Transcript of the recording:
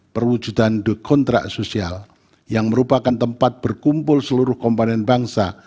perwujudan kontrak sosial yang merupakan tempat berkumpul seluruh komponen bangsa